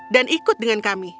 dan ikut dengan kami